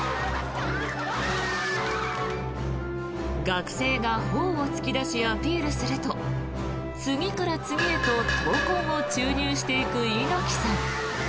学生が頬を突き出しアピールすると次から次へと闘魂を注入していく猪木さん。